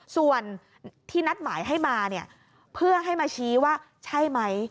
ส่วนที่นัดหมายให้มาเนี่ยเพื่อให้มาชี้ว่าใช่ไหม